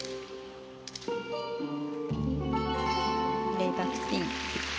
レイバックスピン。